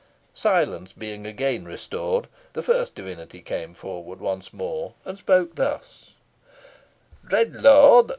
Silence being again restored, the first divinity came forward once more, and spoke thus: 'Dread lord!